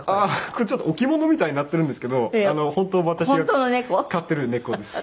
ちょっと置物みたいになってるんですけど本当に私が飼ってる猫です。